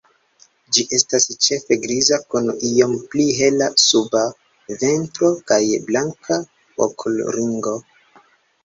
Ĝi estas ĉefe griza, kun iom pli hela suba ventro kaj blanka okulringo.